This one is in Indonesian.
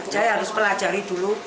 saya harus pelajari dulu